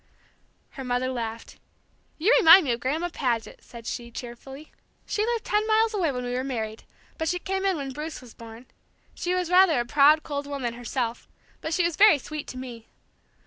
Her mother laughed. "You remind me of Grandma Paget," said she, cheerfully; "she lived ten miles away when we were married, but she came in when Bruce was born. She was rather a proud, cold woman herself, but she was very sweet to me.